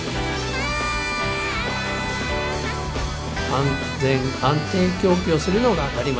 安全・安定供給をするのが当たり前と。